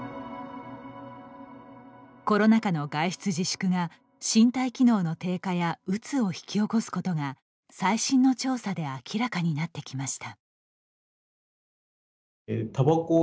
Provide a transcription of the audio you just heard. コロナ禍の外出自粛が身体機能の低下やうつを引き起こすことが最新の調査で明らかになってきました。